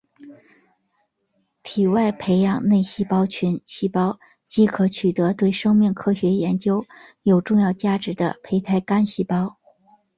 体外培养内细胞群细胞即可取得对生命科学研究有重要价值的胚胎干细胞